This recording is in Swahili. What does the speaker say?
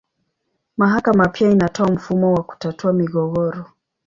Mahakama pia inatoa mfumo wa kutatua migogoro.